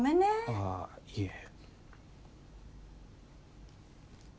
ああいえ。